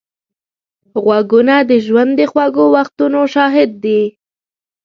غوږونه د ژوند د خوږو وختونو شاهد دي